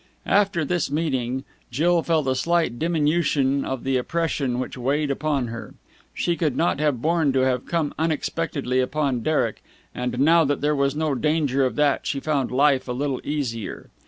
After this meeting, Jill felt a slight diminution of the oppression which weighed upon her. She could not have borne to have come unexpectedly upon Derek, and, now that there was no danger of that, she found life a little easier.